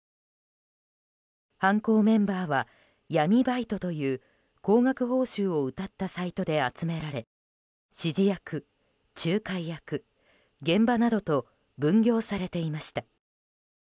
犯行メンバーは闇バイトという高額報酬をうたったサイトで集められ指示役、仲介役、現場などと分業されていました。